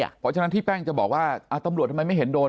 เพราะฉะนั้นที่จะบอกว่าตำรวจมันไม่เห็นโดน